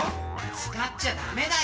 使っちゃ駄目だよ！